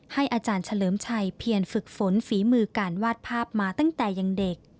อาจารย์เฉลิมชัยเพียรฝึกฝนฝีมือการวาดภาพมาตั้งแต่ยังเด็ก